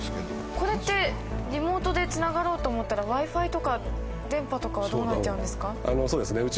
これってリモートで繋がろうと思ったらＷｉ−Ｆｉとか電波とかはどうなっちゃうんですか？